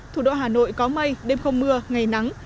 thủ đô hà nội có mây đêm không mưa ngày nắng